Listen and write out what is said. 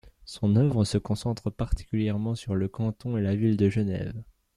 Son œuvre se concentre particulièrement sur le canton et la ville de Genève.